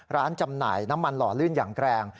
จำหน่ายน้ำมันหล่อลื่นอย่างแรง